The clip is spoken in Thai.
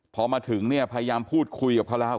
พอมาถึงเนี่ยพยายามพูดคุยกับเขาแล้ว